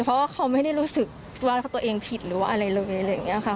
เพราะว่าเขาไม่ได้รู้สึกว่าตัวเองผิดหรือว่าอะไรเลยอะไรอย่างนี้ค่ะ